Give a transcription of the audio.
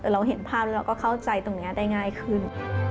เราเห็นภาพแล้วเราก็เข้าใจตรงนี้ได้ง่ายขึ้น